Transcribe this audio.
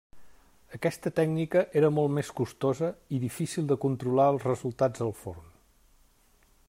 Aquesta tècnica era molt més costosa i difícil de controlar els resultats al forn.